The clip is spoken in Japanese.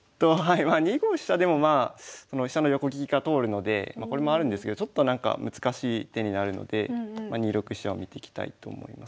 ２五飛車でもまあ飛車の横利きが通るのでこれもあるんですけどちょっとなんか難しい手になるので２六飛車を見ていきたいと思います。